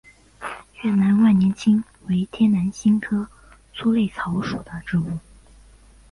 越南万年青为天南星科粗肋草属的植物。